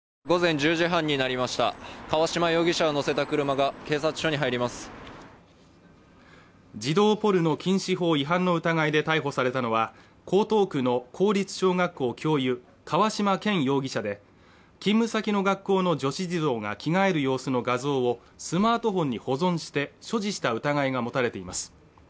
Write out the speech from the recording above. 午前１０時半になりました河嶌容疑者を乗せた車が警察署に入ります児童ポルノ禁止法違反の疑いで逮捕されたのは江東区の公立小学校教諭河嶌健容疑者で勤務先の学校の女子児童が着替える様子の画像をスマートフォンに保存して所持した疑いが持たれています